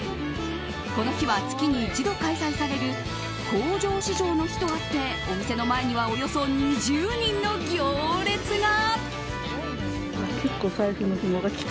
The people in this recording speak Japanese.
この日は月に１度開催される工場市場の日とあってお店の前にはおよそ２０人の行列が。